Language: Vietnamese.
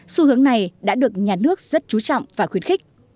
xu hướng này đã được nhà nước rất chú trọng và khuyến khích